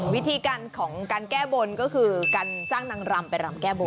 วิธีการของการแก้บนก็คือการจ้างนางรำไปรำแก้บน